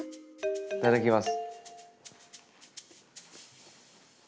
いただきます。